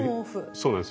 そうなんです。